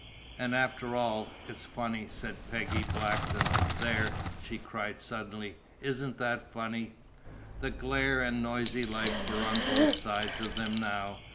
"And after all, it's funny," said Peggy Blackton. "There!" she cried suddenly. "Isn't that funny?" The glare and noisy life were on both sides of them now.